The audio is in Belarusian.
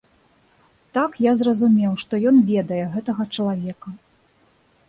Так я зразумеў, што ён ведае гэтага чалавека.